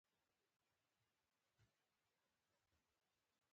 جانداد د درناوي فضا جوړوي.